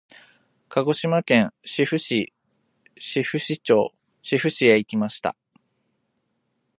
鹿児島県志布志市志布志町志布志へ行きました。